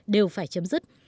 đều phải chấm dứt